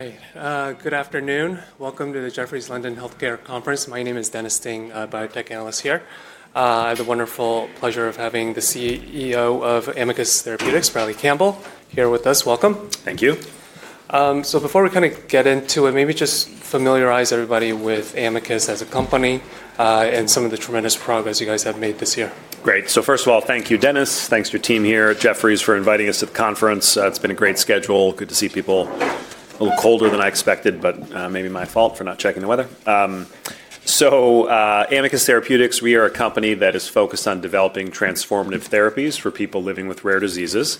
Good afternoon. Welcome to the Jefferies London Healthcare Conference. My name is Dennis Ting, biotech analyst here. I have the wonderful pleasure of having the CEO of Amicus Therapeutics, Bradley Campbell, here with us. Welcome. Thank you. Before we kind of get into it, maybe just familiarize everybody with Amicus as a company and some of the tremendous progress you guys have made this year. Great. First of all, thank you, Dennis. Thanks to your team here at Jefferies for inviting us to the conference. It's been a great schedule. Good to see people, a little colder than I expected, but maybe my fault for not checking the weather. Amicus Therapeutics, we are a company that is focused on developing transformative therapies for people living with rare diseases.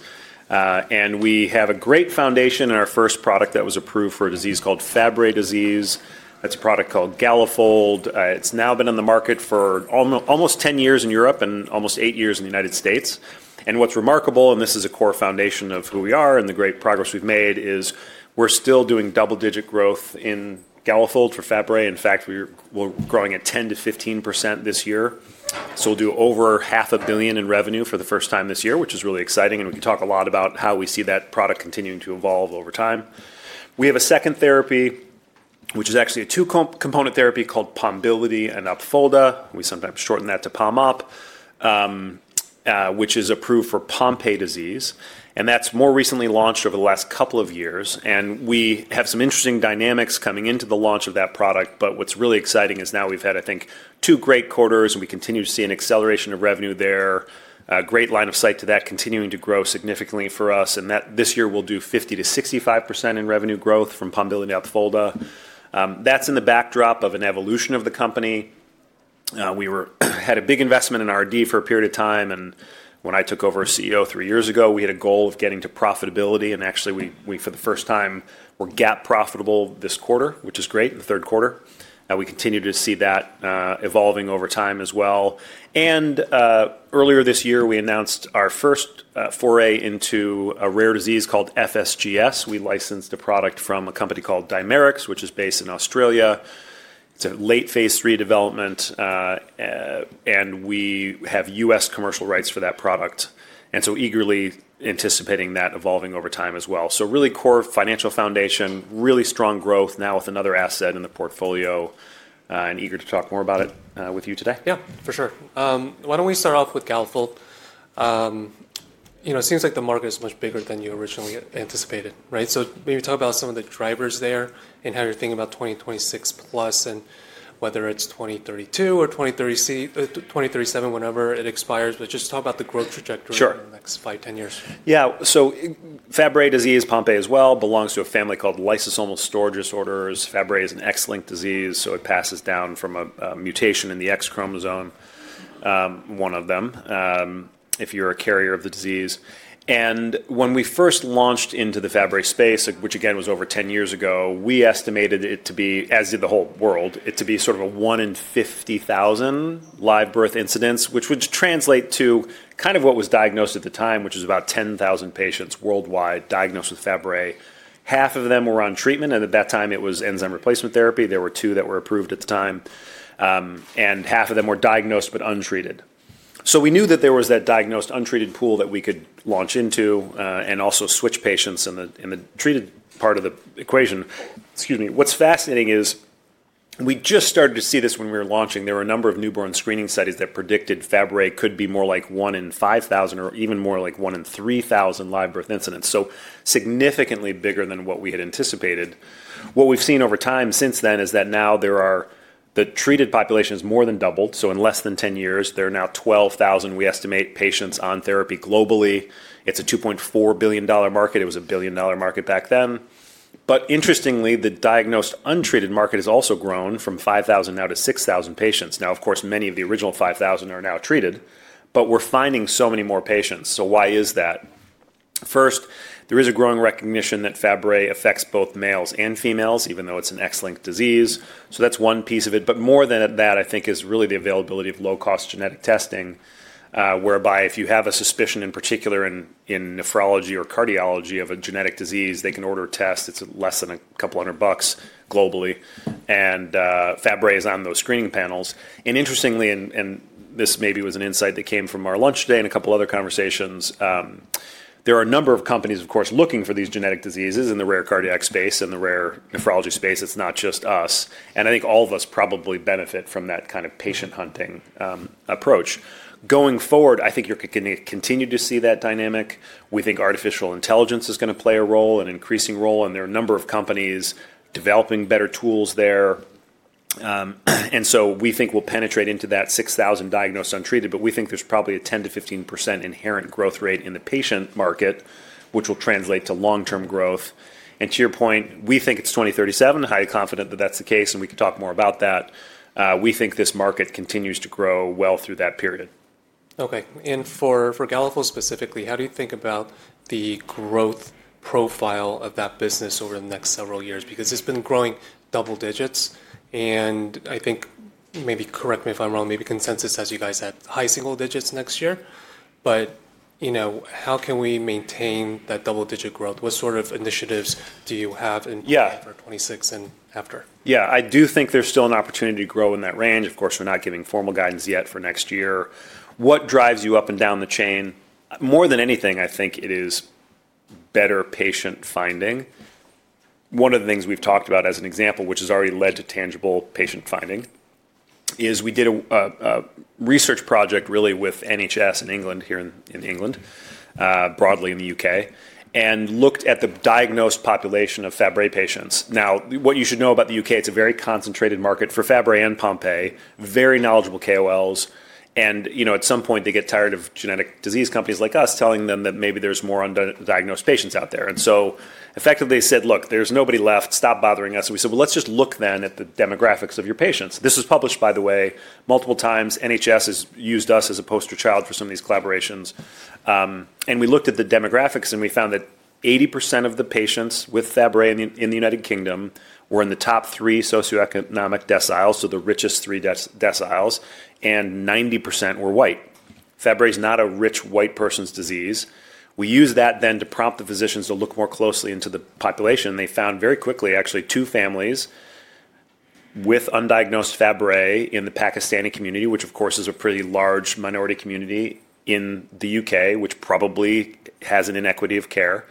We have a great foundation in our first product that was approved for a disease called Fabry disease. That's a product called Galafold. It's now been on the market for almost 10 years in Europe and almost eight years in the United States. What's remarkable, and this is a core foundation of who we are and the great progress we've made, is we're still doing double-digit growth in Galafold for Fabry. In fact, we're growing at 10%-15% this year. We'll do over $500 million in revenue for the first time this year, which is really exciting. We can talk a lot about how we see that product continuing to evolve over time. We have a second therapy, which is actually a two-component therapy called Pombiliti and Opfolda. We sometimes shorten that to POMOP, which is approved for Pompe disease. That has more recently launched over the last couple of years. We have some interesting dynamics coming into the launch of that product. What's really exciting is now we've had, I think, two great quarters, and we continue to see an acceleration of revenue there. Great line of sight to that continuing to grow significantly for us. This year we'll do 50%-65% in revenue growth from Pombiliti to Opfolda. That's in the backdrop of an evolution of the company. We had a big investment in R&D for a period of time. When I took over as CEO three years ago, we had a goal of getting to profitability. Actually, for the first time, we're GAAP profitable this quarter, which is great, the third quarter. We continue to see that evolving over time as well. Earlier this year, we announced our first foray into a rare disease called FSGS. We licensed a product from a company called Dimerix, which is based in Australia. It's a late-phase III development. We have U.S. commercial rights for that product. Eagerly anticipating that evolving over time as well. Really core financial foundation, really strong growth now with another asset in the portfolio. Eager to talk more about it with you today. Yeah, for sure. Why don't we start off with Galafold? It seems like the market is much bigger than you originally anticipated. Maybe talk about some of the drivers there and how you're thinking about 2026 plus and whether it's 2032 or 2037, whenever it expires. Just talk about the growth trajectory over the next five, 10 years. Yeah. Fabry disease is, Pompe as well, belongs to a family called lysosomal storage disorders. Fabry is an X-linked disease, so it passes down from a mutation in the X-chromosome, one of them, if you're a carrier of the disease. When we first launched into the Fabry space, which again was over 10 years ago, we estimated it to be, as did the whole world, sort of a one in 50,000 live birth incidence, which would translate to what was diagnosed at the time, which is about 10,000 patients worldwide diagnosed with Fabry. Half of them were on treatment, and at that time it was enzyme replacement therapy. There were two that were approved at the time. Half of them were diagnosed but untreated. We knew that there was that diagnosed untreated pool that we could launch into and also switch patients in the treated part of the equation. What's fascinating is we just started to see this when we were launching. There were a number of newborn screening studies that predicted Fabry could be more like one in 5,000 or even more like one in 3,000 live birth incidents, so significantly bigger than what we had anticipated. What we've seen over time since then is that now the treated population has more than doubled. In less than 10 years, there are now 12,000, we estimate, patients on therapy globally. It's a $2.4 billion market. It was a $1 billion market back then. Interestingly, the diagnosed untreated market has also grown from 5,000 now to 6,000 patients. Now, of course, many of the original 5,000 are now treated, but we're finding so many more patients. Why is that? First, there is a growing recognition that Fabry affects both males and females, even though it's an X-linked disease. That's one piece of it. More than that, I think, is really the availability of low-cost genetic testing, whereby if you have a suspicion, in particular in nephrology or cardiology, of a genetic disease, they can order a test. It's less than a couple hundred bucks globally. Fabry is on those screening panels. Interestingly, and this maybe was an insight that came from our lunch today and a couple other conversations, there are a number of companies, of course, looking for these genetic diseases in the rare cardiac space and the rare nephrology space. It's not just us. I think all of us probably benefit from that kind of patient-hunting approach. Going forward, I think you're going to continue to see that dynamic. We think artificial intelligence is going to play a role, an increasing role. There are a number of companies developing better tools there. We think we'll penetrate into that 6,000 diagnosed untreated, but we think there's probably a 10%-15% inherent growth rate in the patient market, which will translate to long-term growth. To your point, we think it's 2037, highly confident that that's the case, and we can talk more about that. We think this market continues to grow well through that period. Okay. For Galafold specifically, how do you think about the growth profile of that business over the next several years? Because it's been growing double digits. I think, maybe correct me if I'm wrong, maybe consensus has you guys at high single digits next year. How can we maintain that double-digit growth? What sort of initiatives do you have in 2026 and after? Yeah. I do think there's still an opportunity to grow in that range. Of course, we're not giving formal guidance yet for next year. What drives you up and down the chain? More than anything, I think it is better patient finding. One of the things we've talked about as an example, which has already led to tangible patient finding, is we did a research project really with NHS in England here in England, broadly in the U.K., and looked at the diagnosed population of Fabry patients. Now, what you should know about the U.K., it's a very concentrated market for Fabry and Pompe, very knowledgeable KOLs. At some point, they get tired of genetic disease companies like us telling them that maybe there's more undiagnosed patients out there. Effectively they said, "Look, there's nobody left. Stop bothering us." We said, "Let's just look then at the demographics of your patients." This was published, by the way, multiple times. NHS has used us as a poster child for some of these collaborations. We looked at the demographics and we found that 80% of the patients with Fabry in the U.K. were in the top three socioeconomic deciles, so the richest three deciles, and 90% were white. Fabry is not a rich white person's disease. We used that then to prompt the physicians to look more closely into the population. They found very quickly, actually, two families with undiagnosed Fabry in the Pakistani community, which of course is a pretty large minority community in the U.K., which probably has an inequity of care.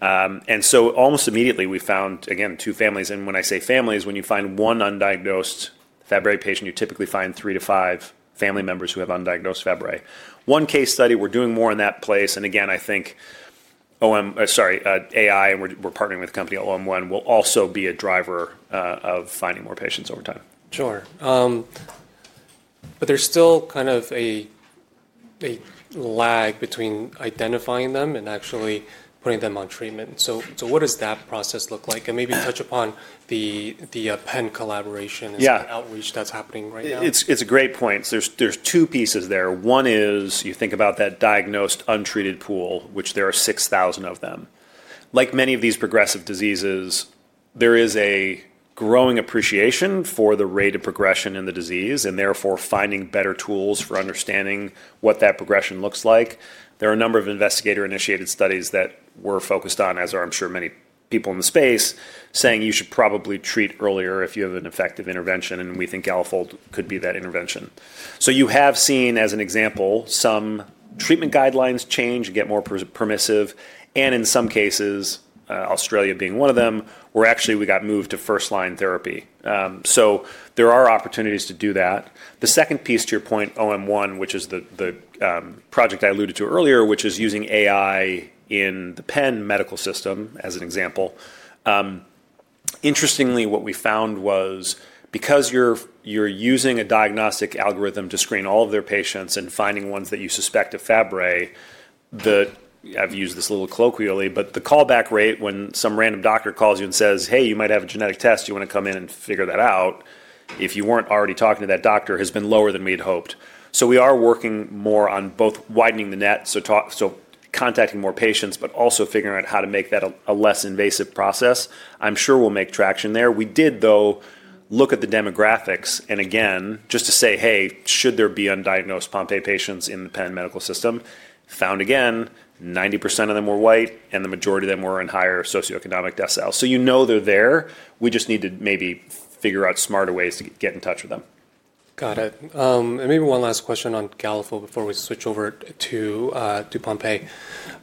Almost immediately we found, again, two families. When I say families, when you find one undiagnosed Fabry patient, you typically find three to five family members who have undiagnosed Fabry. One case study, we're doing more in that place. I think OM, sorry, AI, and we're partnering with a company, OM1, will also be a driver of finding more patients over time. Sure. There is still kind of a lag between identifying them and actually putting them on treatment. What does that process look like? Maybe touch upon the Penn collaboration and outreach that is happening right now. It's a great point. There's two pieces there. One is you think about that diagnosed untreated pool, which there are 6,000 of them. Like many of these progressive diseases, there is a growing appreciation for the rate of progression in the disease and therefore finding better tools for understanding what that progression looks like. There are a number of investigator-initiated studies that we're focused on, as are I'm sure many people in the space, saying you should probably treat earlier if you have an effective intervention, and we think Galafold could be that intervention. You have seen, as an example, some treatment guidelines change and get more permissive. In some cases, Australia being one of them, where actually we got moved to first-line therapy. There are opportunities to do that. The second piece to your point, OM1, which is the project I alluded to earlier, which is using AI in the Penn medical system as an example. Interestingly, what we found was because you're using a diagnostic algorithm to screen all of their patients and finding ones that you suspect of Fabry, I've used this a little colloquially, but the callback rate when some random doctor calls you and says, "Hey, you might have a genetic test, you want to come in and figure that out," if you weren't already talking to that doctor, has been lower than we'd hoped. We are working more on both widening the net, so contacting more patients, but also figuring out how to make that a less invasive process. I'm sure we'll make traction there. We did, though, look at the demographics. Just to say, "Hey, should there be undiagnosed Pompe patients in the Penn medical system?" Found again, 90% of them were white, and the majority of them were in higher socioeconomic deciles. You know they're there. We just need to maybe figure out smarter ways to get in touch with them. Got it. Maybe one last question on Galafold before we switch over to Pompe.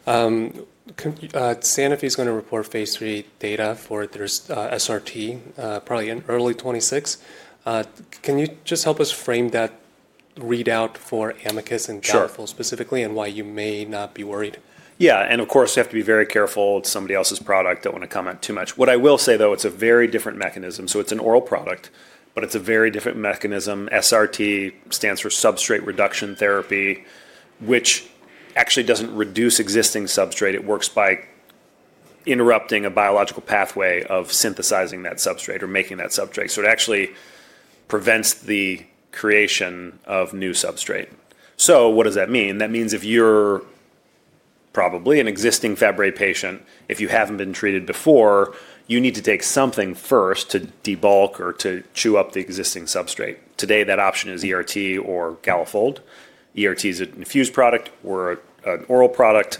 Sanofi is going to report phase III data for their SRT, probably in early 2026. Can you just help us frame that readout for Amicus and Galafold specifically and why you may not be worried? Yeah. You have to be very careful. It's somebody else's product. Don't want to comment too much. What I will say, though, it's a very different mechanism. It's an oral product, but it's a very different mechanism. SRT stands for substrate reduction therapy, which actually doesn't reduce existing substrate. It works by interrupting a biological pathway of synthesizing that substrate or making that substrate. It actually prevents the creation of new substrate. What does that mean? That means if you're probably an existing Fabry patient, if you haven't been treated before, you need to take something first to debulk or to chew up the existing substrate. Today, that option is ERT or Galafold. ERT is an infused product. We're an oral product.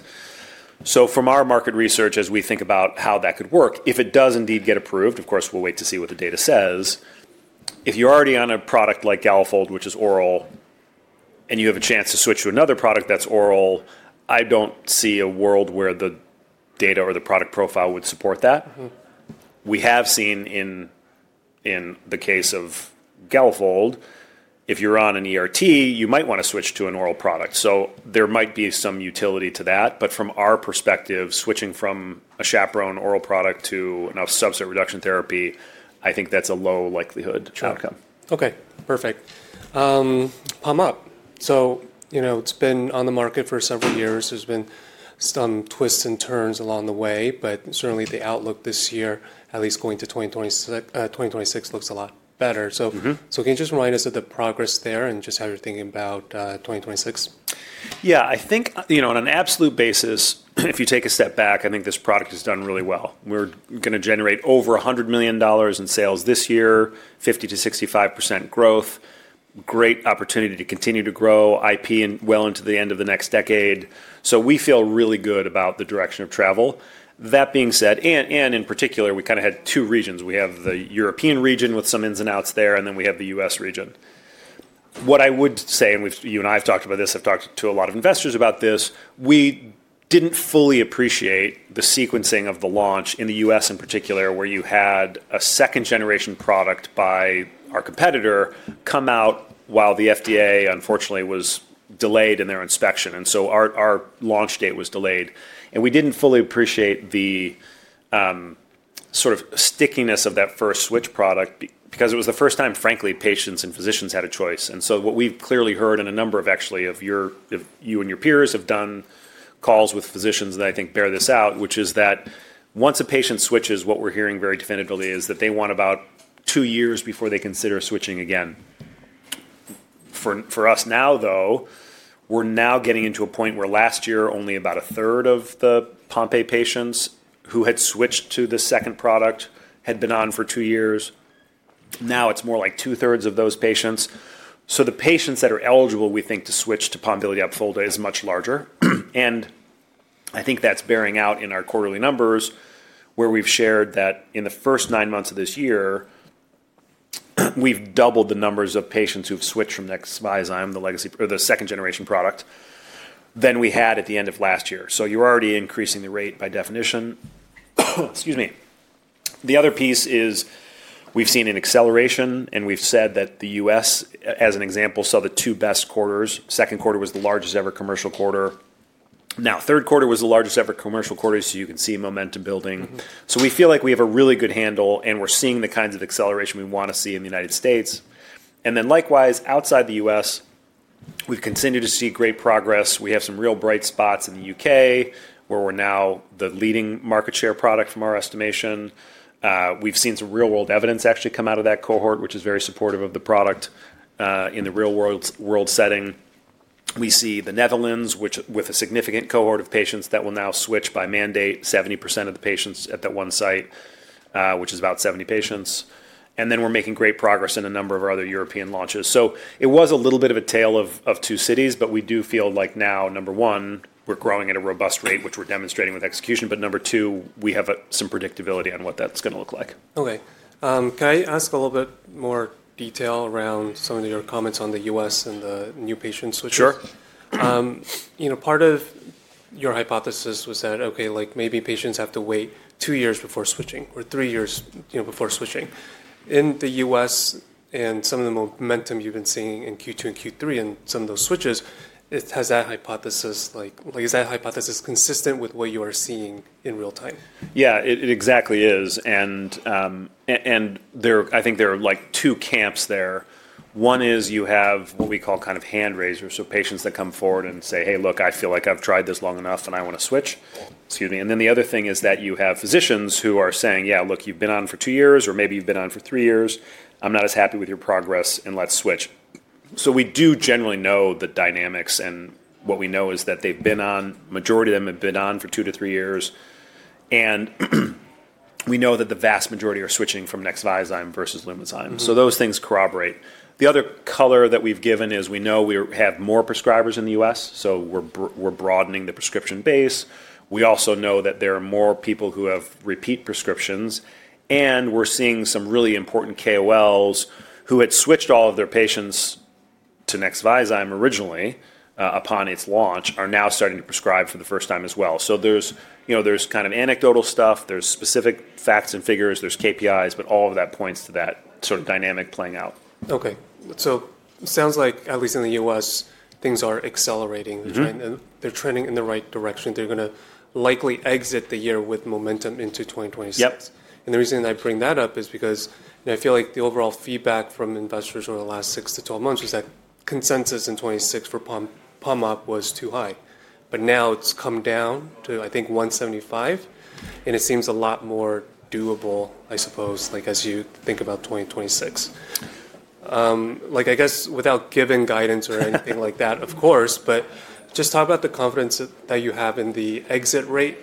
From our market research, as we think about how that could work, if it does indeed get approved, of course, we'll wait to see what the data says. If you're already on a product like Galafold, which is oral, and you have a chance to switch to another product that's oral, I don't see a world where the data or the product profile would support that. We have seen in the case of Galafold, if you're on an ERT, you might want to switch to an oral product. There might be some utility to that. From our perspective, switching from a chaperone oral product to a substrate reduction therapy, I think that's a low likelihood outcome. Sure. Perfect. POMOP. So it's been on the market for several years. There's been some twists and turns along the way, but certainly the outlook this year, at least going to 2026, looks a lot better. Can you just remind us of the progress there and just how you're thinking about 2026? Yeah. I think on an absolute basis, if you take a step back, I think this product has done really well. We're going to generate over $100 million in sales this year, 50%-65% growth, great opportunity to continue to grow, IP well into the end of the next decade. We feel really good about the direction of travel. That being said, and in particular, we kind of had two regions. We have the European region with some ins and outs there, and then we have the U.S. region. What I would say, and you and I have talked about this, I've talked to a lot of investors about this, we didn't fully appreciate the sequencing of the launch in the U.S. in particular, where you had a second-generation product by our competitor come out while the FDA, unfortunately, was delayed in their inspection. Our launch date was delayed. We did not fully appreciate the sort of stickiness of that first switch product because it was the first time, frankly, patients and physicians had a choice. What we have clearly heard, and actually a number of you and your peers have done calls with physicians that I think bear this out, is that once a patient switches, what we are hearing very definitively is that they want about two years before they consider switching again. For us now, though, we are getting into a point where last year only about 1/3 of the Pompe patients who had switched to the second product had been on for two years. Now it is more like 2/3 of those patients. The patients that are eligible, we think, to switch to Pombiliti Opfolda is much larger. I think that's bearing out in our quarterly numbers where we've shared that in the first nine months of this year, we've doubled the numbers of patients who've switched from Nexviazyme, the second-generation product, than we had at the end of last year. You're already increasing the rate by definition. The other piece is we've seen an acceleration, and we've said that the U.S., as an example, saw the two best quarters. Second quarter was the largest ever commercial quarter. Now, third quarter was the largest ever commercial quarter, so you can see momentum building. We feel like we have a really good handle, and we're seeing the kinds of acceleration we want to see in the United States. Likewise, outside the U.S., we've continued to see great progress. We have some real bright spots in the U.K. where we're now the leading market share product from our estimation. We've seen some real-world evidence actually come out of that cohort, which is very supportive of the product in the real-world setting. We see the Netherlands, which with a significant cohort of patients that will now switch by mandate 70% of the patients at that one site, which is about 70 patients. We are making great progress in a number of our other European launches. It was a little bit of a tale of two cities, but we do feel like now, number one, we're growing at a robust rate, which we're demonstrating with execution. Number two, we have some predictability on what that's going to look like. Okay. Can I ask a little bit more detail around some of your comments on the U.S. and the new patient switches? Part of your hypothesis was that, okay, maybe patients have to wait two years before switching or three years before switching. In the U.S. and some of the momentum you've been seeing in Q2 and Q3 and some of those switches, has that hypothesis, is that hypothesis consistent with what you are seeing in real time? Yeah, it exactly is. I think there are two camps there. One is you have what we call kind of hand raisers, so patients that come forward and say, "Hey, look, I feel like I've tried this long enough and I want to switch." The other thing is that you have physicians who are saying, "Yeah, look, you've been on for two years or maybe you've been on for three years. I'm not as happy with your progress and let's switch." We do generally know the dynamics. What we know is that they've been on, majority of them have been on for two to three years. We know that the vast majority are switching from Nexviazyme versus Lumizyme. Those things corroborate. The other color that we've given is we know we have more prescribers in the U.S., so we're broadening the prescription base. We also know that there are more people who have repeat prescriptions. We're seeing some really important KOLs who had switched all of their patients to Nexviazyme originally upon its launch are now starting to prescribe for the first time as well. There's kind of anecdotal stuff. There are specific facts and figures. There are KPIs, but all of that points to that sort of dynamic playing out. Okay. It sounds like, at least in the U.S., things are accelerating. They're trending in the right direction. They're going to likely exit the year with momentum into 2026. The reason I bring that up is because I feel like the overall feedback from investors over the last 6-12 months is that consensus in 2026 for POMOP was too high. Now it's come down to, I think, $175. It seems a lot more doable, I suppose, as you think about 2026. Without giving guidance or anything like that, of course, just talk about the confidence that you have in the exit rate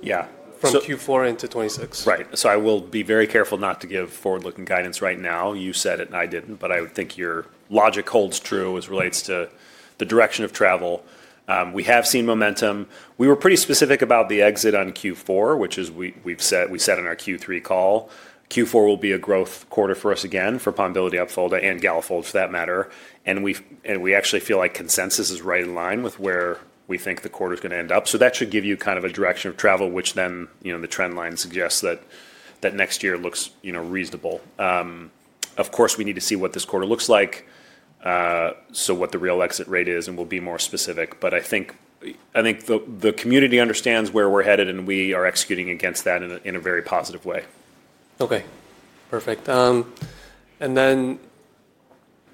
from Q4 into 2026. Right. I will be very careful not to give forward-looking guidance right now. You said it and I did not, but I think your logic holds true as it relates to the direction of travel. We have seen momentum. We were pretty specific about the exit on Q4, which we said in our Q3 call. Q4 will be a growth quarter for us again for Pompe, Opfolda, and Galafold for that matter. I actually feel like consensus is right in line with where we think the quarter is going to end up. That should give you kind of a direction of travel, which then the trend line suggests that next year looks reasonable. Of course, we need to see what this quarter looks like, what the real exit rate is, and we will be more specific. I think the community understands where we're headed, and we are executing against that in a very positive way. Okay. Perfect.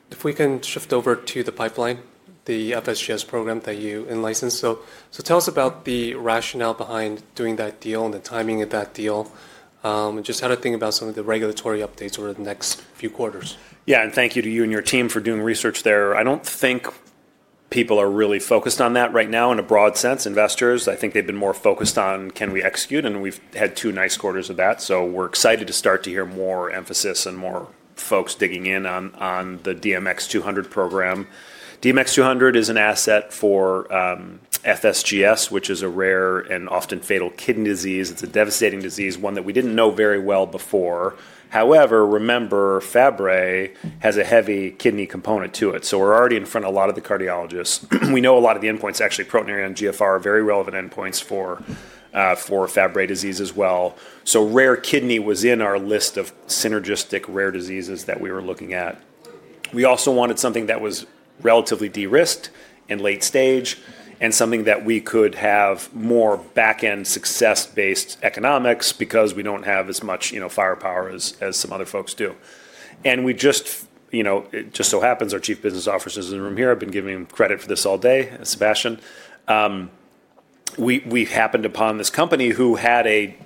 If we can shift over to the pipeline, the FSGS program that you enlicense. Tell us about the rationale behind doing that deal and the timing of that deal and just how to think about some of the regulatory updates over the next few quarters. Yeah. Thank you to you and your team for doing research there. I do not think people are really focused on that right now in a broad sense. Investors, I think they have been more focused on, can we execute? We have had two nice quarters of that. We are excited to start to hear more emphasis and more folks digging in on the DMX-200 program. DMX-200 is an asset for FSGS, which is a rare and often fatal kidney disease. It is a devastating disease, one that we did not know very well before. However, remember, Fabry has a heavy kidney component to it. We are already in front of a lot of the cardiologists. We know a lot of the endpoints actually, proteinuria and glomerular filtration rate, are very relevant endpoints for Fabry disease as well. Rare kidney was in our list of synergistic rare diseases that we were looking at. We also wanted something that was relatively de-risked and late stage and something that we could have more back-end success-based economics because we do not have as much firepower as some other folks do. Just so happens, our Chief Business Officer is in the room here, I have been giving him credit for this all day, Sebastian. We happened upon this company who had a,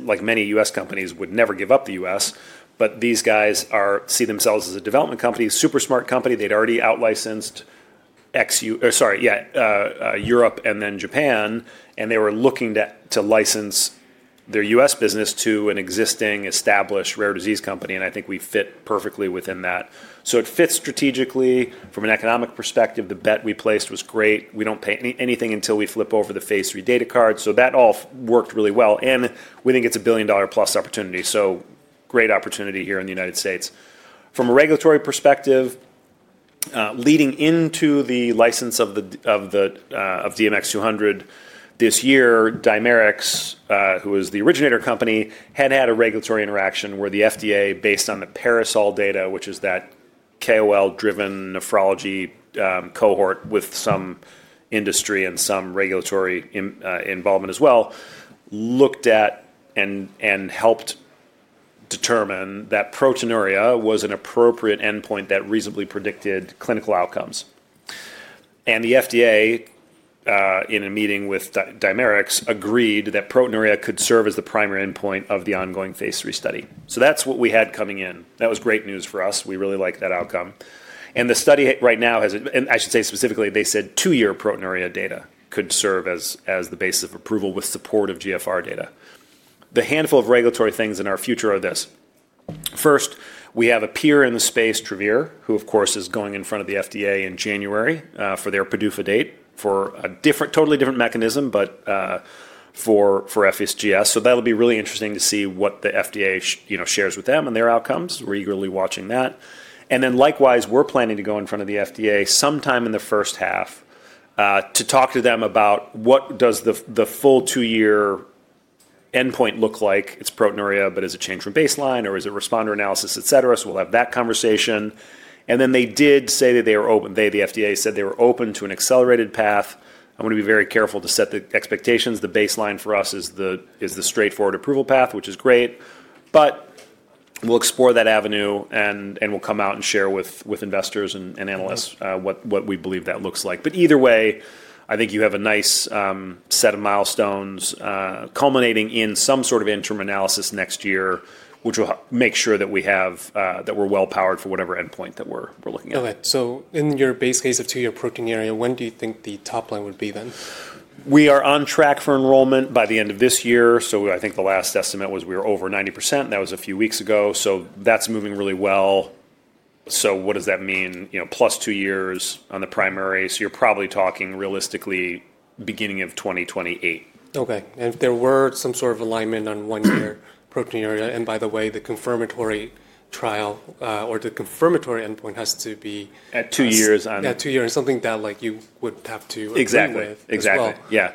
like many U.S. companies, would never give up the U.S., but these guys see themselves as a development company, super smart company. They had already out-licensed Europe and then Japan. They were looking to license their U.S. business to an existing established rare disease company. I think we fit perfectly within that. It fits strategically from an economic perspective. The bet we placed was great. We don't pay anything until we flip over the phase three data card. That all worked really well. We think it's a billion-dollar-plus opportunity. Great opportunity here in the United States. From a regulatory perspective, leading into the license of DMX-200 this year, Dimerix, who is the originator company, had had a regulatory interaction where the FDA, based on the Parasol data, which is that KOL-driven nephrology cohort with some industry and some regulatory involvement as well, looked at and helped determine that proteinuria was an appropriate endpoint that reasonably predicted clinical outcomes. The FDA, in a meeting with Dimerix, agreed that proteinuria could serve as the primary endpoint of the ongoing phase III study. That's what we had coming in. That was great news for us. We really liked that outcome. The study right now has, and I should say specifically, they said two-year proteinuria data could serve as the basis of approval with support of GFR data. The handful of regulatory things in our future are this. First, we have a peer in the space, Travere, who, of course, is going in front of the FDA in January for their PDUFA date for a totally different mechanism, but for FSGS. That will be really interesting to see what the FDA shares with them and their outcomes. We're eagerly watching that. Likewise, we're planning to go in front of the FDA sometime in the first half to talk to them about what does the full two-year endpoint look like. It's proteinuria, but is it changed from baseline or is it responder analysis, etc.? We'll have that conversation. They did say that they are open. The FDA said they were open to an accelerated path. I'm going to be very careful to set the expectations. The baseline for us is the straightforward approval path, which is great. We will explore that avenue and we will come out and share with investors and analysts what we believe that looks like. Either way, I think you have a nice set of milestones culminating in some sort of interim analysis next year, which will make sure that we're well-powered for whatever endpoint that we're looking at. Okay. In your base case of two-year proteinuria, when do you think the top line would be then? We are on track for enrollment by the end of this year. I think the last estimate was we were over 90%. That was a few weeks ago. That is moving really well. What does that mean? Plus two years on the primary. You are probably talking realistically beginning of 2028. Okay. If there were some sort of alignment on one-year proteinuria, and by the way, the confirmatory trial or the confirmatory endpoint has to be. At two years on. At two years, something that you would have to agree with as well. Exactly. Yeah.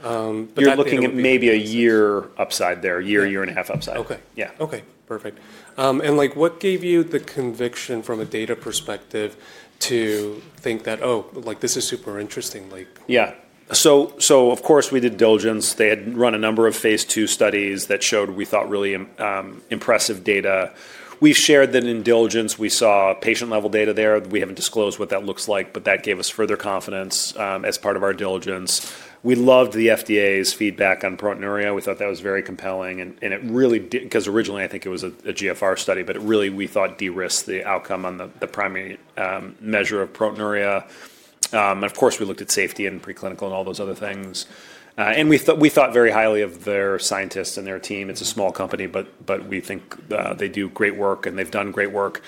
That's good. You're looking at maybe a year upside there, a year, year and a half upside. Okay. Perfect. What gave you the conviction from a data perspective to think that, "Oh, this is super interesting"? Yeah. Of course, we did diligence. They had run a number of phase II studies that showed, we thought, really impressive data. We shared that in diligence, we saw patient-level data there. We haven't disclosed what that looks like, but that gave us further confidence as part of our diligence. We loved the FDA's feedback on proteinuria. We thought that was very compelling. It really did, because originally I think it was a GFR study, but really we thought de-risked the outcome on the primary measure of proteinuria. Of course, we looked at safety and preclinical and all those other things. We thought very highly of their scientists and their team. It's a small company, but we think they do great work and they've done great work.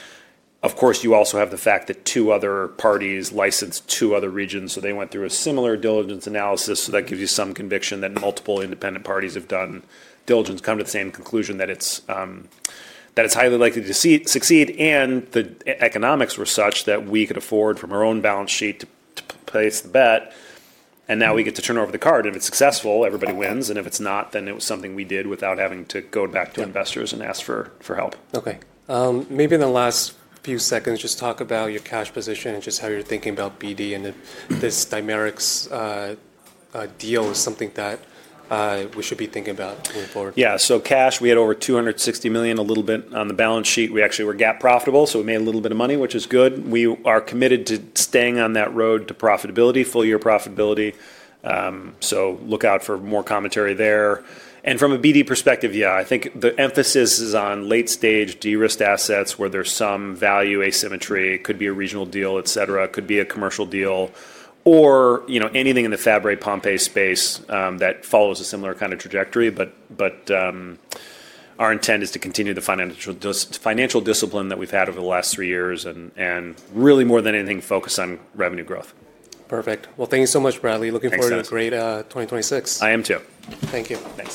Of course, you also have the fact that two other parties licensed two other regions. They went through a similar diligence analysis. That gives you some conviction that multiple independent parties have done diligence, come to the same conclusion that it's highly likely to succeed. The economics were such that we could afford from our own balance sheet to place the bet. Now we get to turn over the card. If it's successful, everybody wins. If it's not, then it was something we did without having to go back to investors and ask for help. Okay. Maybe in the last few seconds, just talk about your cash position and just how you're thinking about BD and this Dimerix deal is something that we should be thinking about going forward. Yeah. Cash, we had over $260 million, a little bit on the balance sheet. We actually were GAAP profitable. So we made a little bit of money, which is good. We are committed to staying on that road to profitability, full-year profitability. Look out for more commentary there. From a BD perspective, yeah, I think the emphasis is on late-stage de-risked assets where there's some value asymmetry. It could be a regional deal, etc. It could be a commercial deal or anything in the Fabry, Pompe space that follows a similar kind of trajectory. Our intent is to continue the financial discipline that we've had over the last three years and really more than anything focus on revenue growth. Perfect. Thank you so much, Bradley. Looking forward to a great 2026. I am too. Thank you. Thanks.